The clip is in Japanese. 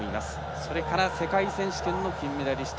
それから世界選手権の金メダリスト